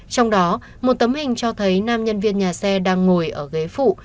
trong đó một tấm hình cho thấy nam nhân viên nhà xe đang ngồi ở ghế phụ